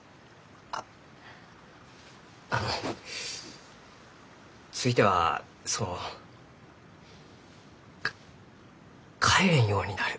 ああのついてはそのか帰れんようになる。